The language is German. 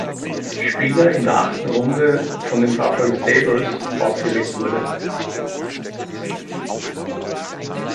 Spieler in der achten Runde von den Buffalo Sabres ausgewählt wurde.